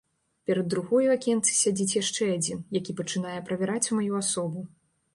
Перад другой у акенцы сядзіць яшчэ адзін, які пачынае правяраць маю асобу.